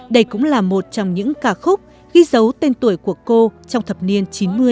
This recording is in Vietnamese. đây cũng là một trong những ca khúc ghi dấu tên tuổi của cô trong thập niên chín mươi